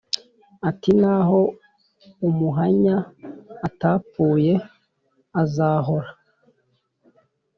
ati"naho umuhanya atapfuye azahora